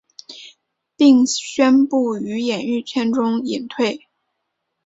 并宣布于演艺圈中隐退。